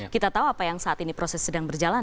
kita tahu apa yang saat ini proses sedang berjalan